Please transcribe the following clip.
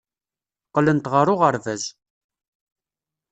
Qqlent ɣer uɣerbaz.